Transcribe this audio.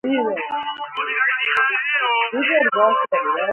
რომანის ძირითადი თემა არის მარტინ იდენის მიერ აღქმული სოციალური კლასი.